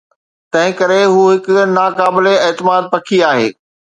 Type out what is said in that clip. تنهنڪري هو هڪ ناقابل اعتماد پکي آهي.